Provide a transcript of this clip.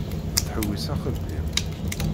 Tettḥewwis axeddim.